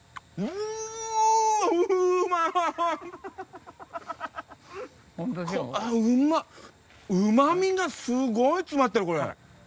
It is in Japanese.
うまみがすごい詰まってるこれ。